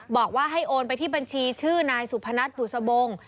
บอกว่าให้โอนไปที่บัญชีชื่อนายสุพนัทบุษบง